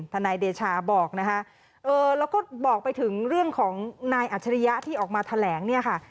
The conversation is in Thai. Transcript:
นายเดชาบอกนะคะแล้วก็บอกไปถึงเรื่องของนายอัจฉริยะที่ออกมาแถลงเนี่ยค่ะ